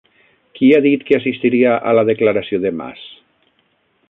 Qui ha dit que assistiria a la declaració de Mas?